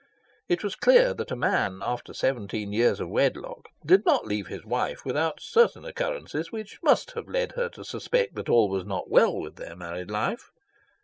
It was clear that a man after seventeen years of wedlock did not leave his wife without certain occurrences which must have led her to suspect that all was not well with their married life.